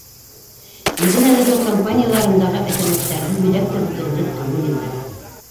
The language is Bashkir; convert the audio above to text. Иген әҙерләү кампанияларындағы әкәмәттәрҙе һөйләп тә бөтөрөрлөк түгел инде.